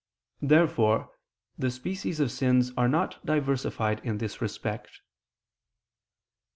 Therefore the species of sins are not diversified in this respect.